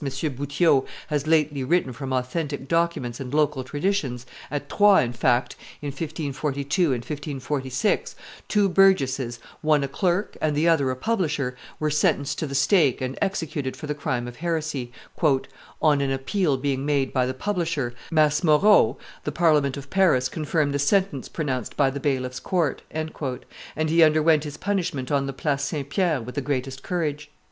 Boutiot, has lately written from authentic documents and local traditions, at Troyes in fact, in 1542 and 1546, two burgesses, one a clerk and the other a publisher, were sentenced to the stake and executed for the crime of heresy: "on an appeal being made by the publisher, Mace Moreau, the Parliament of Paris confirmed the sentence pronounced by the bailiff's court," and he underwent his punishment on the Place St. Pierre with the greatest courage.